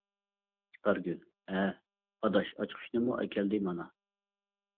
ئىپارگۈل: ھە، ئاداش ئاچقۇچنىمۇ ئەكەلدى مانا.